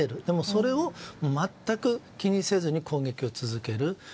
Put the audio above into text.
でも、それを全く気にせずに攻撃を続ける。